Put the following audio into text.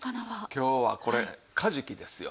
今日はこれカジキですよ。